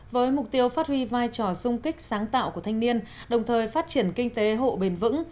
với mục tiêu phát huy vai trò sung kích sáng tạo của thanh niên đồng thời phát triển kinh tế hộ bền vững